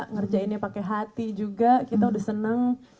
ngerjainnya pakai hati juga kita udah seneng